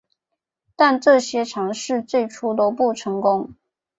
但这些尝试最初都不成功。